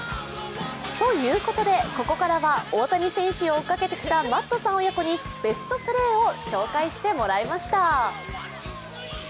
ということで、ここからは大谷選手を追っかけてきたマットさん親子にベストプレーを紹介してもらいました。